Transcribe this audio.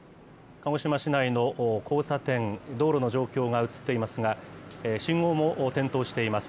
鹿児島市内の交差点、道路の状況がうつっていますが、信号も点灯しています。